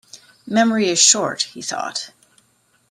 "Memory is short," he thought.